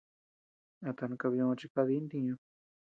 A tan kabiö chi kadi dì ntiñu.